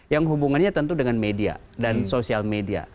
yang hubungannya tentu dengan media dan sosial media